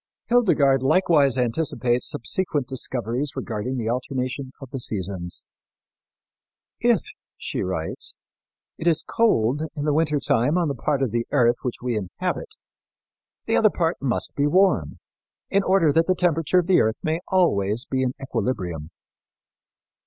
Hildegard likewise anticipates subsequent discoveries regarding the alternation of the seasons. "If," she writes, "it is cold in the winter time on the part of the earth which we inhabit, the other part must be warm, in order that the temperature of the earth may always be in equilibrium."